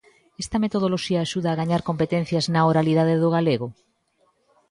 Esta metodoloxía axuda a gañar competencias na oralidade do galego?